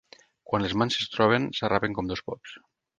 Quan les mans es troben s'arrapen com dos pops.